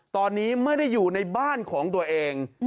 ตอนนี้ไม่ได้อยู่ในบ้านของตัวเอง